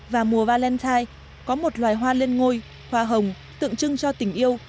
và mùa valentine có một loài hoa lên ngôi hoa hồng tượng trưng cho tình yêu